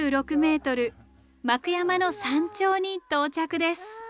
幕山の山頂に到着です。